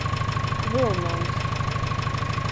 Vylnons.